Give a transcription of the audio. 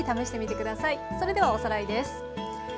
それではおさらいです。